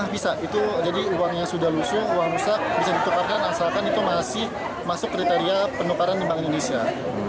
bisa itu jadi uangnya sudah lusuh uang rusak bisa ditukarkan asalkan itu masih masuk kriteria penukaran di bank indonesia